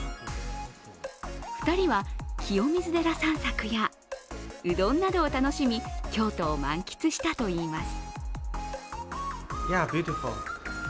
２人は清水寺散策やうどんなどを楽しみ京都を満喫したといいます。